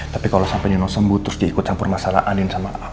tapi kalau sampai nino sembuh terus diikut campur masalah anin sama aku